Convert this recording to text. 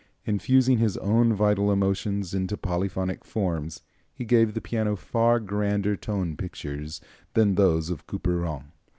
Infusing his own vital emotions into polyphonic forms he gave the piano far grander tone pictures than those of Couperin.